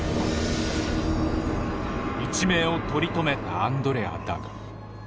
一命を取り留めたアンドレアだが。